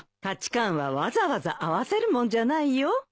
価値観はわざわざ合わせるもんじゃないよ。